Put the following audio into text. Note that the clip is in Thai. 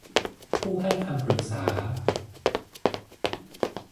ผู้ให้คำปรึกษา